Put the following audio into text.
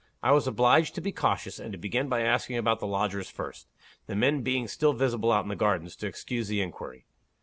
I was obliged to be cautious, and to begin by asking about the lodgers first the men being still visible out in the garden, to excuse the inquiry.